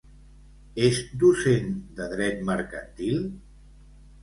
És docent de dret mercantil?